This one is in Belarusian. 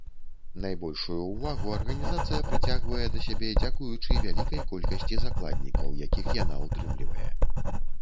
Найбольшую ўвагу арганізацыя прыцягвае да сябе дзякуючы вялікай колькасці закладнікаў, якіх яна ўтрымлівае.